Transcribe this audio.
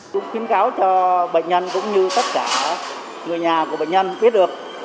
chúng kiến cáo cho bệnh nhân cũng như tất cả người nhà của bệnh nhân biết được